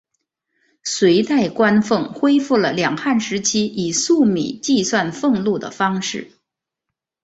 隋代官俸恢复了两汉时期以粟米计算俸禄的方式。